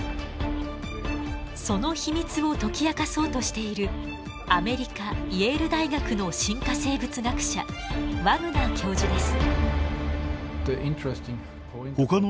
その秘密を解き明かそうとしているアメリカイェール大学の進化生物学者ワグナー教授です。